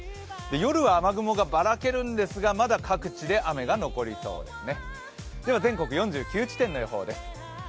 夜は雨雲がばらけるんですが、まだ各地で雨が残りそうですね。